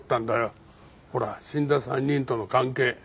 ほら死んだ３人との関係。